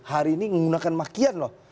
hari ini menggunakan makian loh